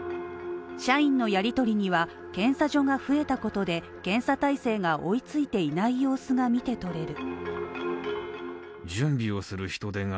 社員のやりとりには検査所が増えたことで検査体制が追いついていない様子が見て取れる。